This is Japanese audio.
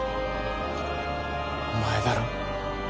お前だろ？